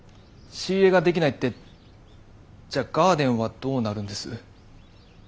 仕入れができないってじゃあガーデンはどうなるんです？